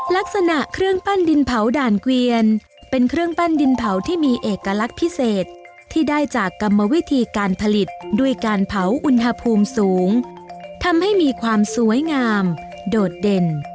ลักษณะเครื่องปั้นดินเผาด่านเกวียนเป็นเครื่องปั้นดินเผาที่มีเอกลักษณ์พิเศษที่ได้จากกรรมวิธีการผลิตด้วยการเผาอุณหภูมิสูงทำให้มีความสวยงามโดดเด่น